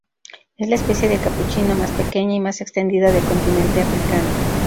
Es la especie de capuchino más pequeña y más extendida del continente africano.